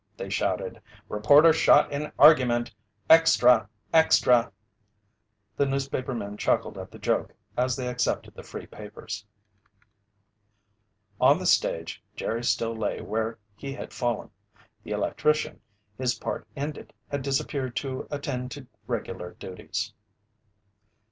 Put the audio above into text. they shouted. "Reporter Shot in Argument! Extra! Extra!" The newspapermen chuckled at the joke as they accepted the free papers. On the stage, Jerry still lay where he had fallen. The electrician, his part ended, had disappeared to attend to regular duties.